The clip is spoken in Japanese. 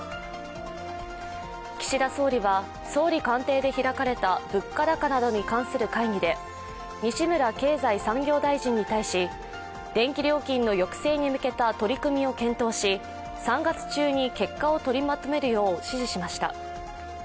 岸田総理は総理官邸で開かれた物価高などに関する会議で西村経済産業大臣に対し、電気料金の抑制に向けた取り組みを検討し３月中に結果を取りまとめるよう指示しました。